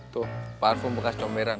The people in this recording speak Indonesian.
tuh parfum bekas comberan